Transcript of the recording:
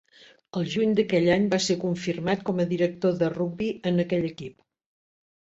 El juny d'aquell any va ser confirmat com a Director de Rugbi en aquell equip.